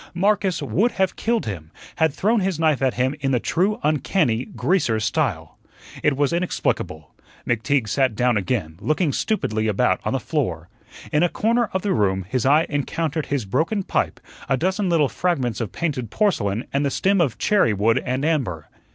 Marcus would have killed him; had thrown his knife at him in the true, uncanny "greaser" style. It was inexplicable. McTeague sat down again, looking stupidly about on the floor. In a corner of the room his eye encountered his broken pipe, a dozen little fragments of painted porcelain and the stem of cherry wood and amber.